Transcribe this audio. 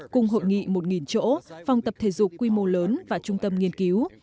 cùng hội nghị một chỗ phòng tập thể dục quy mô lớn và trung tâm nghiên cứu